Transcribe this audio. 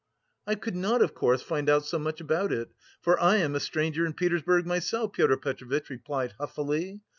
"I could not, of course, find out so much about it, for I am a stranger in Petersburg myself," Pyotr Petrovitch replied huffily.